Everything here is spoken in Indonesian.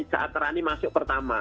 saat rani masuk pertama